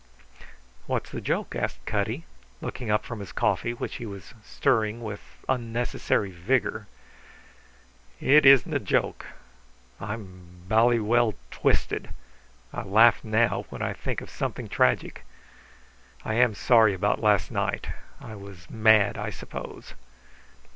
"What's the joke?" asked Cutty, looking up from his coffee, which he was stirring with unnecessary vigour. "It isn't a joke. I'm bally well twisted. I laugh now when I think of something tragic. I am sorry about last night. I was mad, I suppose."